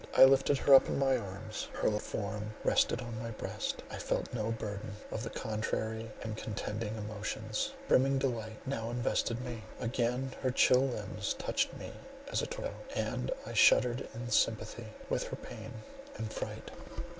I lifted her up in my arms; her light form rested on my breast.—I felt no burthen, except the internal one of contrary and contending emotions. Brimming delight now invested me. Again her chill limbs touched me as a torpedo; and I shuddered in sympathy with her pain and fright.